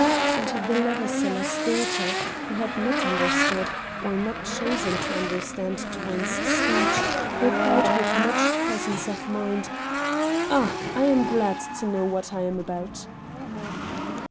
And the leather seller's daughter, who had not understood or not chosen to understand Truyn's speech, replied with much presence of mind: "Ah, I am glad to know what I am about."